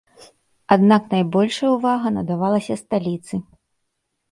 Аднак найбольшая ўвага надавалася сталіцы.